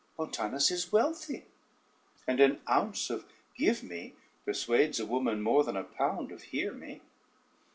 Montanus is wealthy, and an ounce of give me persuades a woman more than a pound of hear me.